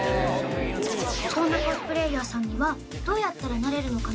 そんなコスプレイヤーさんにはどうやったらなれるのかな？